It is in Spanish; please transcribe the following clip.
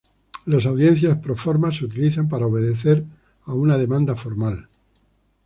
Las audiencias pro forma se utilizan para obedecer a una demanda formal.